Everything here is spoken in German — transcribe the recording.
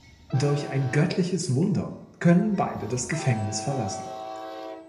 Durch ein göttliches Wunder können beide das Gefängnis verlassen.